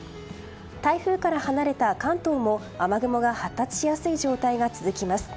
台風から離れた関東も雨雲が発達しやすい状態が続きます。